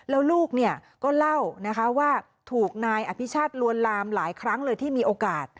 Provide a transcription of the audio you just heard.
แล้วลูกเนี่ยก็เล่านะคะว่าถูกนายอภิชาติลวนลามหลายครั้งเลยที่มีโอกาส